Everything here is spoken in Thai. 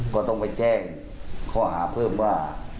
ก็ต้องไปแจ้งข้อหาเพิ่มว่า